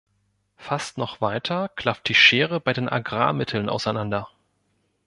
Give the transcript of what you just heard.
Fast noch weiter klafft die Schere bei den Agrarmitteln auseinander.